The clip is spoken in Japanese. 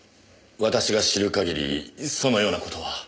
私が知る限りそのような事は。